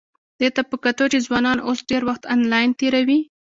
دې ته په کتو چې ځوانان اوس ډېر وخت انلاین تېروي،